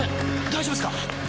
大丈夫ですか！？